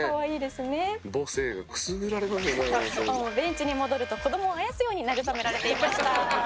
「ベンチに戻ると子供をあやすように慰められていました」